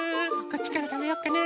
こっちからたべようかな。